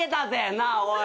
なあおい。